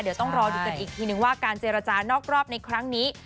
เดี๋ยวต้องรอดูกันอีกทีนึงว่าการเจรจานอกรอบในครั้งนี้